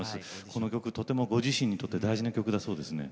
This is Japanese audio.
この曲とてもご自身にとって大事な曲だそうですね。